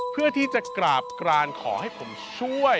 เพื่อที่จะกราบกรานขอให้ผมช่วย